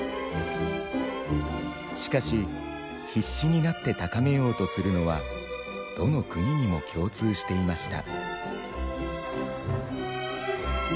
しかし必死になって高めようとするのはどの国にも共通していました。